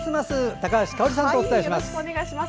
高橋香央里さんとお伝えします。